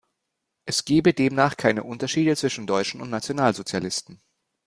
Es gebe demnach keine Unterschiede zwischen Deutschen und Nationalsozialisten.